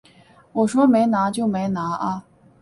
我说没拿就没拿啊